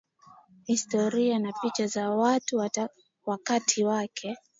historia na picha za watu wa wakati wake